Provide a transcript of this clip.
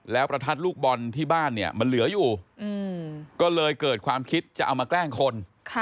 แล้วประทัดลูกบอลที่บ้านเนี่ยมันเหลืออยู่ก็เลยเกิดความคิดจะเอามาแกล้งคน